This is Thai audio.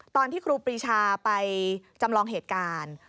ครูปรีชาไปจำลองเหตุการณ์